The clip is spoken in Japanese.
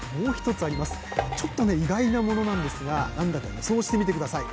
ちょっとね意外なものなんですが何だか予想してみて下さい！